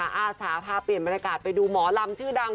อาสาพาเปลี่ยนบรรยากาศไปดูหมอลำชื่อดัง